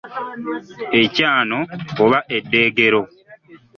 Ekyano oba eddeegero.